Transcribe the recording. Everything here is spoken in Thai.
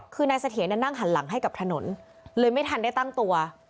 คือนายเสถียรนั่งหันหลังให้กับถนนเลยไม่ทันได้ตั้งตัว